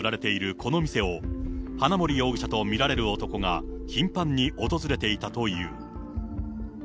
この店を、花森容疑者と見られる男が頻繁に訪れていたという。